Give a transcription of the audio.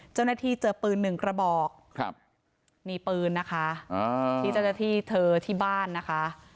เจ้าหน้าที่เจอปืนหนึ่งกระบอกครับนี่ปืนนะคะที่เจ้าหน้าที่เธอที่บ้านนะคะ